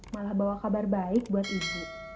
malah bawa kabar baik buat ibu